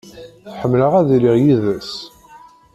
Ḥemmleɣ ad iliɣ yid-s.